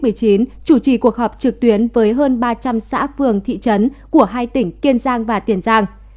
chủ trì cuộc họp trực tuyến với hơn ba trăm linh xã phường thị trấn của hai tỉnh kiên giang và tiền giang